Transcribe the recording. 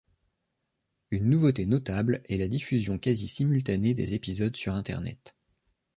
Une nouveauté notable est la diffusion quasi simultanée des épisodes sur Internet.